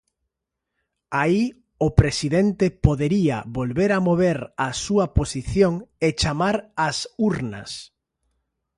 Aí o presidente podería volver a mover a súa posición e chamar ás urnas.